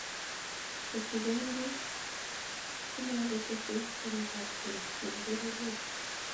ketigon bik komye ko tesei chametabgei be bo pororiet